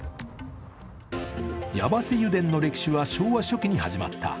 八橋油田の歴史は昭和初期に始まった。